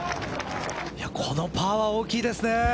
このパーは大きいですね。